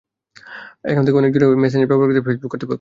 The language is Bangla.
এখান থেকে অনেক জোর করেই মেসেঞ্জার ব্যবহার করতে বলছে ফেসবুক কর্তৃপক্ষ।